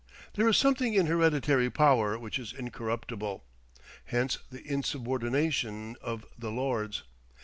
There is something in hereditary power which is incorruptible. Hence the insubordination of the Lords.